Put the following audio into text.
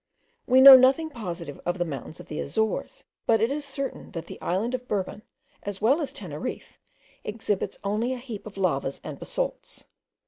We know nothing positive of the mountains of the Azores; but it is certain, that the island of Bourbon as well as Teneriffe, exhibits only a heap of lavas and basalts.